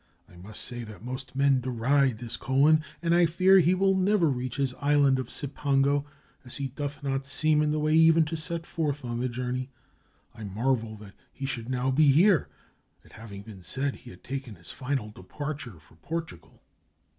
I must say that most men deride this Colon; and I fear he will never reach his island of Cipango, as he doth not seem in the way even to set forth on the journey. I marvel that he should now be here, it having been said he had taken his final departure for Portugal."